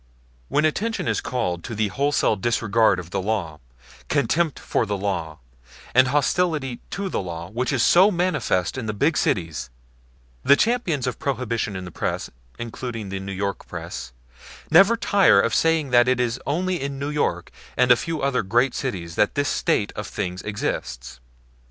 When attention is called to the wholesale disregard of the law, contempt for the law, and hostility to the law which is so manifest in the big cities, the champions of Prohibition in the press including the New York press never tire of saying that it is only in New York and a few other great cities that this state of things exists.